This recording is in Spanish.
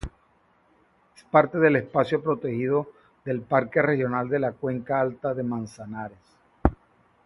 Es parte del espacio protegido del Parque Regional de la Cuenca Alta del Manzanares.